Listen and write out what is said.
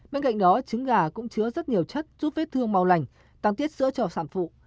bên cạnh đó trứng gà cũng chứa rất nhiều chất giúp vết thương mau lành tăng tiết sữa cho sản phụ